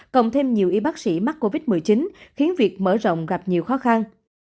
cộng thêm nhiều y bác sĩ mắc covid một mươi chín khiến việc mở rộng gặp nhiều khó khăn